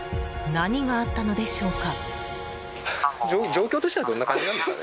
何があったのでしょうか？